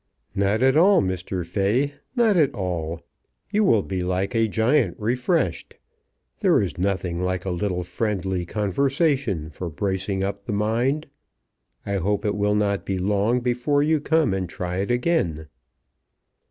"Not at all, Mr. Fay; not at all. You will be like a giant refreshed. There is nothing like a little friendly conversation for bracing up the mind. I hope it will not be long before you come and try it again."